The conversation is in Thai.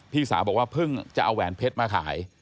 พี่สาวบอกว่าเพิ่งจะเอาแหวนเพชรมาขาย